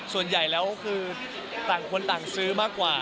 ส่วนใหญ่แล้วคือต่างคนต่างซื้อมากกว่า